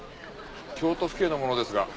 京都府警の者ですが。